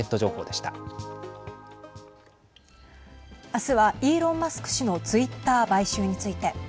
あすはイーロン・マスク氏のツイッター買収について。